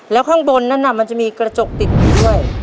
แล้วข้างบนนั้นมันจะมีกระจกติดอยู่ด้วย